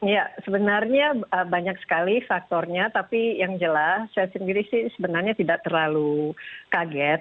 ya sebenarnya banyak sekali faktornya tapi yang jelas saya sendiri sih sebenarnya tidak terlalu kaget